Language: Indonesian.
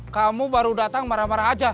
kamu baru datang marah marah aja